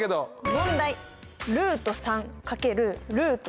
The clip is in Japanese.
問題！